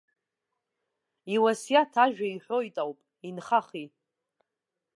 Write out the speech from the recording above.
Иуасиаҭ ажәа иҳәоит ауп, инхахи.